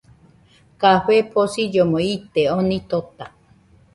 Café posillomo ite , oni tota